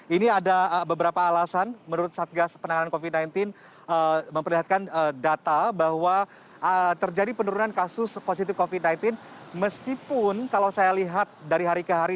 ini ada beberapa alasan menurut satgas penanganan covid sembilan belas memperlihatkan data bahwa terjadi penurunan kasus positif covid sembilan belas meskipun kalau saya lihat dari hari ke hari